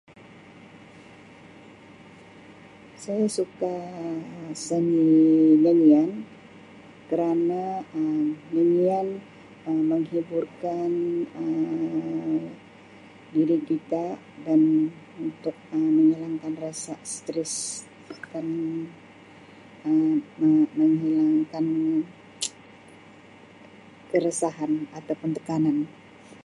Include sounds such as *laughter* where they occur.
Saya suka musim Durian Um kerana Durian menghiburkan Um diri kita dan untuk menghilangkan rasa stress makan *unintelligible* keresahan atau pun tekanan.